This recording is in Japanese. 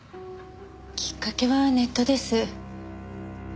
きっかけはネットです。